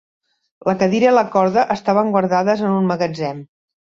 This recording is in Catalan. La cadira i la corda estaven guardades en un magatzem.